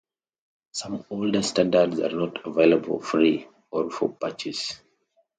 Some older standards are not available for free, or for purchase.